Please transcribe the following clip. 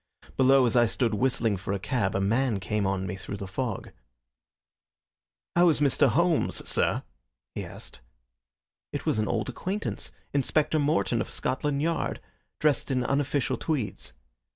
Below, as I stood whistling for a cab, a man came on me through the fog. "How is Mr. Holmes, sir?" he asked. It was an old acquaintance, Inspector Morton, of Scotland Yard, dressed in unofficial tweeds.